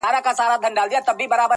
پوهنتون ته سوه کامیاب مکتب یې خلاص کئ.